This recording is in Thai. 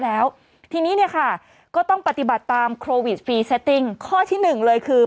แล้วทีนี้เนี้ยค่ะก็ต้องปฏิบัติตามคอที่หนึ่งเลยคือ